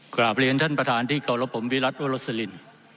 กราบเรียนท่านประธานที่เคารพผมวิรัติโอรสลิน